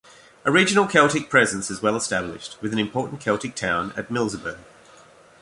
A regional Celtic presence is well established, with an important Celtic town at Milseburg.